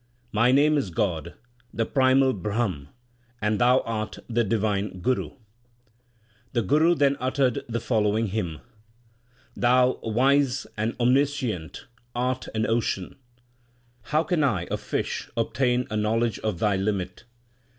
My name is God, the primal Brahm, and thou art the divine Guru. The Guru then uttered the following hymn : Thou wise and omniscient, art an ocean ; how can I a fish obtain a knowledge of Thy limit